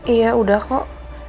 iya udah kok